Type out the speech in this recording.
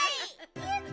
・やった！